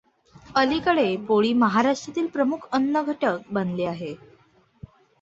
अलिकडे पोळी महाराष्ट्रातील प्रमुख अन्न घटक बनली आहे.